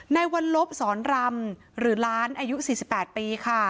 ในวันลบสอนรำหรือล้านอายุ๔๘ปีค่ะ